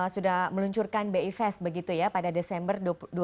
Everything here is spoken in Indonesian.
sudah meluncurkan bi fast begitu ya pada desember dua ribu dua puluh